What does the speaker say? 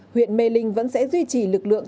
huyện mê linh vẫn sẽ duy trì lực lượng